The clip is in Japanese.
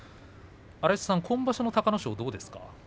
荒磯さん、今場所の隆の勝はどうですか？